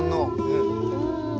うん。